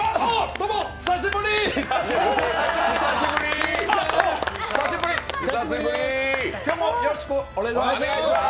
どうも、よろしくお願いしまーす。